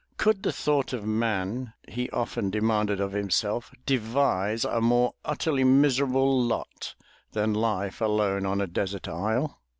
"Could the thought of man," he often demanded of himself, "devise a more utterly miserable lot than life alone on a desert isle?"